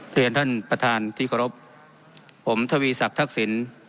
เรียนท่านประธานที่เคารพผมทวีศักดิ์ทักษิณ